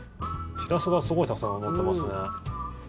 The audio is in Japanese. シラスがすごいたくさん乗ってますね。